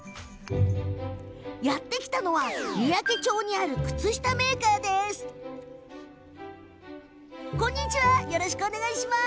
やって来たのは三宅町にある、靴下メーカーです。